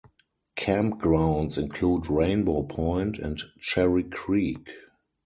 Campgrounds include Rainbow Point and Cherry Creek.